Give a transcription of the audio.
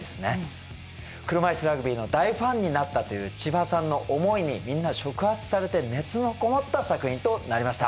車いすラグビーの大ファンになったというちばさんの思いにみんな触発されて熱のこもった作品となりました。